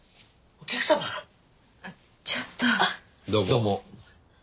どうも。